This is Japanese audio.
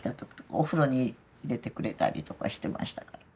お風呂に入れてくれたりとかしてましたから。